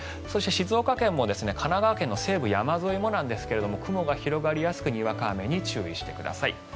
そして静岡県も神奈川県の西部山沿いもですが雲が広がりやすくにわか雨に注意してください。